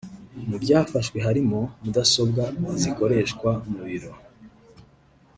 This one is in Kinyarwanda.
Mu byafashwe harimo mudasobwa zikoreshwa mu biro